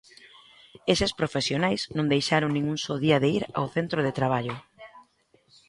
Eses profesionais non deixaron nin un só día de ir ao centro de traballo.